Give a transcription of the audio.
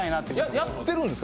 やってるんですか？